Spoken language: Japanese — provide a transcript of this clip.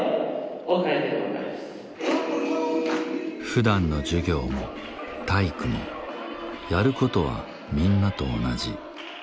普段の授業も体育もやることはみんなと同じ。